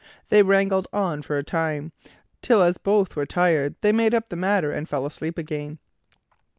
They wrangled on for a time, till as both were tired, they made up the matter and fell asleep again.